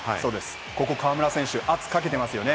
河村選手、圧かけていますよね。